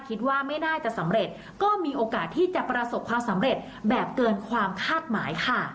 คิดว่าไม่น่าจะสำเร็จก็มีโอกาสที่จะประสบความสำเร็จแบบเกินความคาดหมายค่ะ